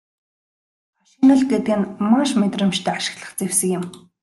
Хошигнол гэдэг нь маш мэдрэмжтэй ашиглах зэвсэг юм.